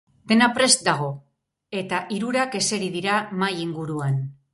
Dena prest dago, eta hirurak eseri dira mahai inguruan.